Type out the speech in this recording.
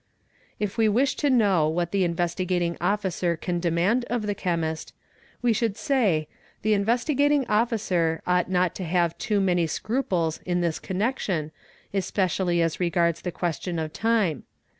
If we wish to know what the Investigating Officer can demand of the chemist, we should say: the Investigating Officer ought not to have too many scruples in this connection especially as regards the question of time.